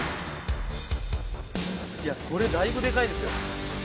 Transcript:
いやこれだいぶでかいですよ。